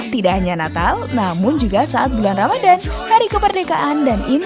tidak hanya natal namun juga saat bulan ramadan hari kemerdekaan dan imlek